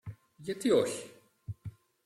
Γιατί όχι;